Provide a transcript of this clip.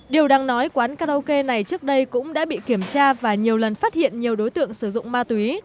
điều đáng nói quán karaoke này trước đây cũng đã bị kiểm tra và nhiều lần phát hiện nhiều đối tượng sử dụng ma túy